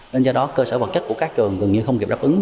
nên do đó cơ sở vật chất của các trường gần như không kịp đáp ứng